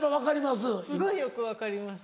すごいよく分かります。